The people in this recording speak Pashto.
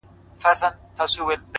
قاتل ژوندی دی!! مړ یې وجدان دی!!